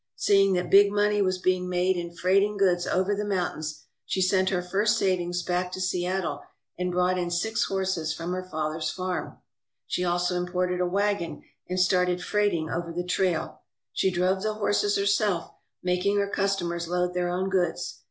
Seeing that big money was being made in freighting goods over the mountains, she sent her first savings back to Seattle and brought in six horses from her father's farm. She also imported a wagon, and started freighting over the trail. She drove the horses herself, making her customers load their own goods.